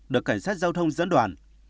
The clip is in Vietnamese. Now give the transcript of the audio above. được cảnh sát giao thông dẫn đoàn